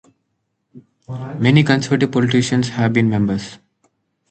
Many Conservative politicians have been members.